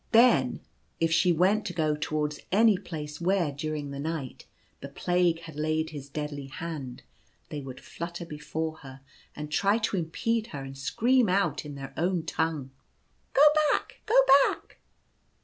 Then, if she Warning of Danger. 65 went to go towards any place where, during the night, the Plague had laid his deadly hand, they would flutter before her, and try to impede her, and scream out in their own tongue, "Go back ! go back